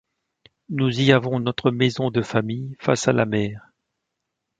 Nous y avons notre maison de famille, face à la mer.